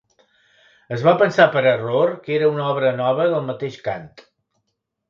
Es va pensar per error que era una obra nova del mateix Kant.